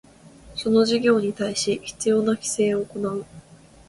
その事業に対し必要な規制を行う